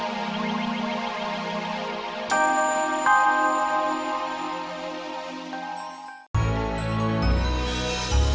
jangan lupa like share dan subscribe